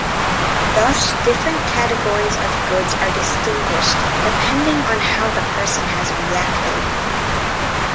Thus different categories of goods are distinguished, depending on how the person has reacted.